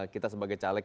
kita sebagai caleg